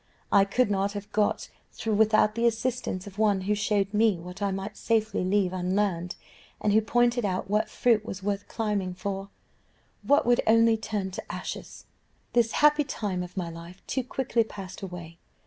I could not have got through without the assistance of one who showed me what I might safely leave unlearned, and who pointed out what fruit was worth climbing for, what would only turn to ashes. "This happy time of my life too quickly passed away.